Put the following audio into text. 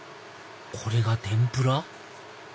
これが天ぷら？